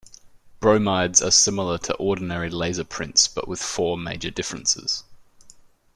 Bromides are similar to ordinary laser prints but with four major differences.